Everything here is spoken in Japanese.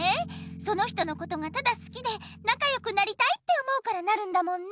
その人のことがただ好きでなかよくなりたいって思うからなるんだもんね。